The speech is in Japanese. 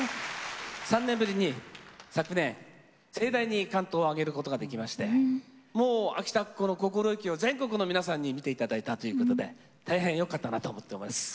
３年ぶりに昨年盛大に竿燈をあげることができましてもう秋田っ子の心意気を全国の皆さんに見て頂いたということで大変よかったなと思ってます。